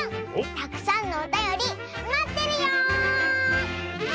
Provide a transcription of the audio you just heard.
たくさんのおたよりまってるよ！